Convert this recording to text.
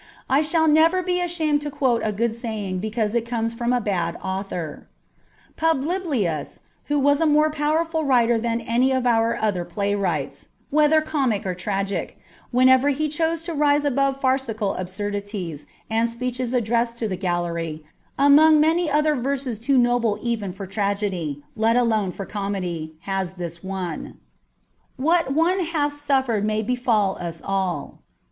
I shall never be ashamed to quote a good saying because it comes from a bad author. Publilius, who was a more power ful writer than any of our other playwrights, whether comic or tragic, whenever he chose to rise above farcical absurdities and speeches addressed to the gallery, among many other verses too noble even for tragedy, let alone for comedy, has this one :—*•' What one bath suffered may befall us all."